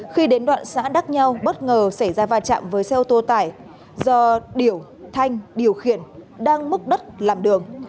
khi đến đoạn xã đắc nhau bất ngờ xảy ra va chạm với xe ô tô tải do điểu thanh điều khiển đang múc đất làm đường